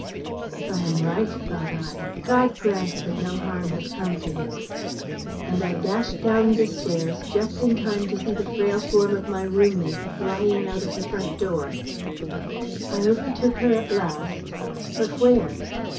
"If I am right," thought I, "God grant that no harm has come to him!" and I dashed down the stairs just in time to see the frail form of my room mate flying out of the front door. I overtook her at last; but where?